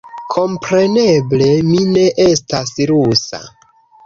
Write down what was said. Kompreneble, mi ne estas rusa